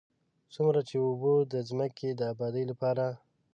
څومره چې اوبه د ځمکې د ابادۍ لپاره.